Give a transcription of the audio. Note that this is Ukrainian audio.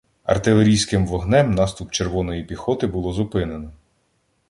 Артилерійським вогнем наступ «червоної» піхоти було зупинено.